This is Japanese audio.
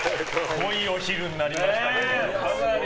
濃いお昼になりましたけど。